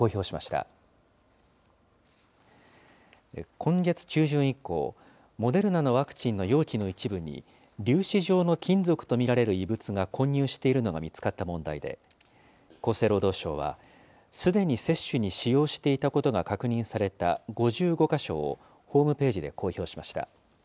今月中旬以降、モデルナのワクチンの容器の一部に、粒子状の金属と見られる異物が混入しているのが見つかった問題で、厚生労働省は、すでに接種に使用していたことが確認された５５か所を、ホームページで公表しました。